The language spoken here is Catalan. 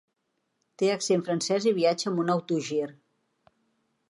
Té accent francès i viatja amb un autogir.